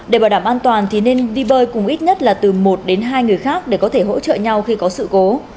để bảo đảm an toàn thì nên vi bơi cùng ít nhất là từ một đến hai người khác để có thể hỗ trợ nhau khi có sự cố